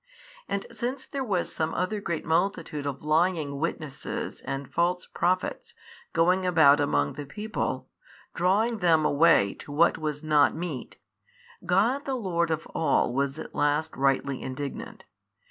And since there was some other great multitude of lying witnesses and false prophets going about among the people, and drawing them away to what was not meet, God the Lord of all was at last rightly indignant.